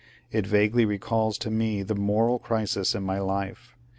It vaguely recalls to me the moral crisis in my life.